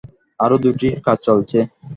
আরও দুটির কাজ চলছে।